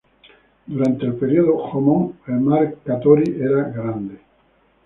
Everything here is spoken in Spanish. Durante el período Jōmon el mar Katori era grande.